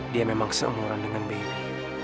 dia memang seumuran dengan baik